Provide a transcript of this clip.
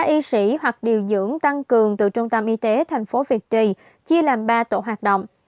ba y sĩ hoặc điều dưỡng tăng cường từ trung tâm y tế thành phố việt trì chia làm ba tổ hoạt động